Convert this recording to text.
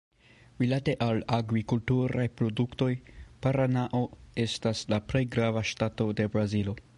Rilate al agrikulturaj produktoj, Paranao estas la plej grava ŝtato de Brazilo.